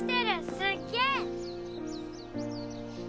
すっげぇ！